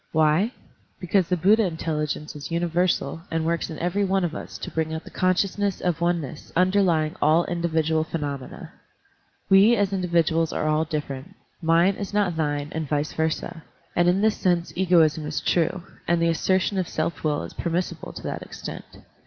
Why? Because the Buddha intelligence is universal and works in every one of us to bring out the consciousness of oneness underlying all individual phenomena. We as individuals are all different; mine is not thine and vice versa; and in this sense egoism is true, and the assertion of self will is permis sible to that extent.